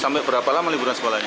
sampai berapa lama liburan sekolahnya